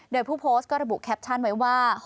โดยผู้โพสต์ก็ระบุแคปชั่นไว้ว่า